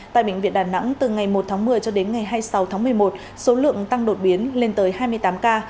tại bệnh viện đà nẵng từ ngày một tháng một mươi cho đến ngày hai mươi sáu tháng một mươi một số lượng tăng đột biến lên tới hai mươi tám ca